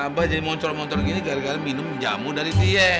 mba jadi moncol moncol gini gara gara minum jamu dari tiye